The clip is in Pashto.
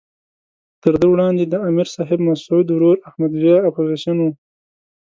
تر ده وړاندې د امر صاحب مسعود ورور احمد ضیاء اپوزیسون وو.